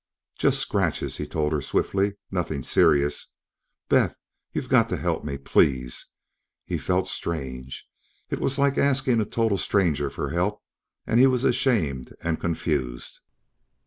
"Just scratches," he told her swiftly. "Nothing serious. Beth, you've got to help me. Please!" He felt strange. It was like asking a total stranger for help, and he was ashamed and confused.